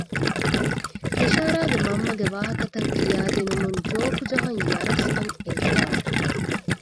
ބިޝާރާގެ މަންމަގެ ވާހަކަތައް ކިޔައިދިނުމުން ޖޯކް ޖަހަން ޔަރަސް އަށް އެނގިދާނެ